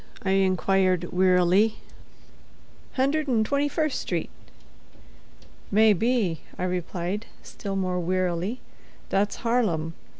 I inquired, wearily. "Hundred 'n' twenty first street." "May be," I replied, still more wearily. "That's Harlem.